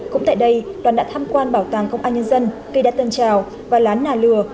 cũng tại đây đoàn đã tham quan bảo tàng công an nhân dân cây đá tân trào và lá nà lừa